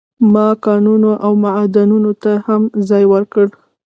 ما کانونو او معادنو ته هم ځای ورکړ.